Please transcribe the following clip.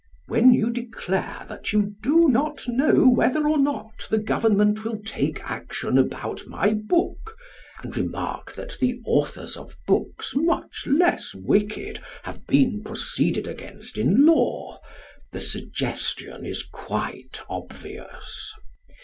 When you declare that you do not know whether or not the Government will take action about my book, and remark that the authors of books much less wicked have been proceeded against in law, the suggestion is quite obvious.